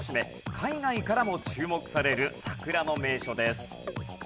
海外からも注目される桜の名所です。